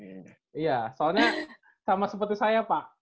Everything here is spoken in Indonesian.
iya soalnya sama seperti saya pak